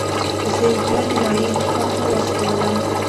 زه يې بيا د نايي دوکان ته واستولم.